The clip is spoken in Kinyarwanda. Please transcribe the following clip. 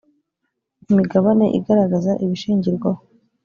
imigabane igaragaza ibishingirwaho